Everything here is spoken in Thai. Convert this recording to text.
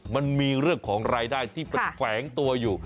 มันมีเรื่องของรายได้ที่มันแฝงตัวอยู่